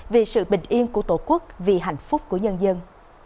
vì sự bình yên của tổ quốc vì hạnh phúc của nhân dân